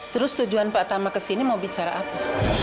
terus tujuan pak tama ke sini mau bicara apa